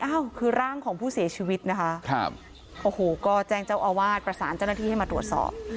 อ้าวคือร่างของผู้เสียชีวิตนะคะครับโอ้โหก็แจ้งเจ้าอาวาสประสานเจ้าหน้าที่ให้มาตรวจสอบ